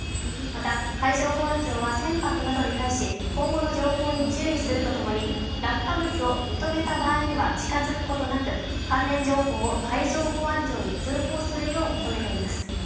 また海上保安庁は船舶などに対し今後の情報に注意するとともに落下物を認めた場合には近づくことなく関連情報を海上保安庁に通報するよう求めています。